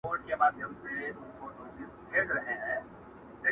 فریشتو یې د وجود خاوره کي نغښتي سره انګور دي،